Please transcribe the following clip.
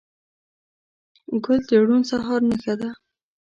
ګل د روڼ سهار نښه ده.